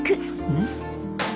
うん？